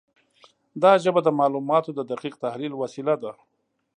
دا ژبه د معلوماتو د دقیق تحلیل وسیله ده.